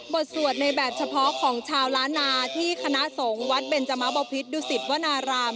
สวดในแบบเฉพาะของชาวล้านนาที่คณะสงฆ์วัดเบนจมะบพิษดุสิตวนาราม